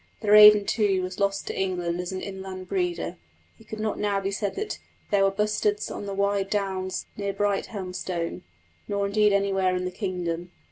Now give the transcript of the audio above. The raven, too, was lost to England as an inland breeder. It could not now be said that "there are bustards on the wide downs near Brighthelmstone," nor indeed anywhere in the kingdom.